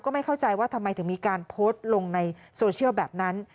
ไม่เข้าใจว่าทำไมถึงมีการโพสต์ลงในโซเชียลแบบนั้น